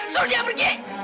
suruh dia pergi